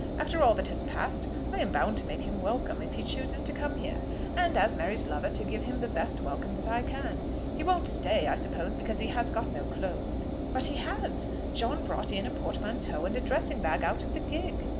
After all that has passed I am bound to make him welcome if he chooses to come here, and as Mary's lover to give him the best welcome that I can. He won't stay, I suppose, because he has got no clothes." "But he has; John brought in a portmanteau and a dressing bag out of the gig."